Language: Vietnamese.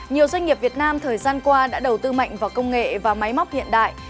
nhiều doanh nghiệp việt nam thời gian qua đã đầu tư mạnh vào công nghệ và máy móc hiện đại